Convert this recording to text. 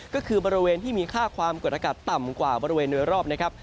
ก็คือบริเวณที่มีค่าความกดอากาศต่ำกว่าบริเวณโดยรอบนะครับ